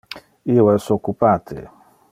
Io es occupate.